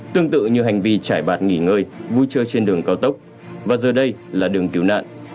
tương tự như hành vi trải bạt nghỉ ngơi vui chơi trên đường cao tốc và giờ đây là đường cứu nạn